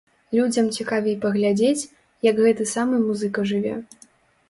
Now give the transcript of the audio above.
Людзям цікавей паглядзець, як гэты самы музыка жыве.